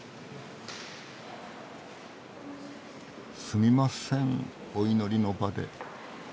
すみませんお祈りの場で。